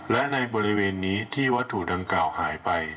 และในบริเวณนี้ที่วัตถุดังกล่าวหายไป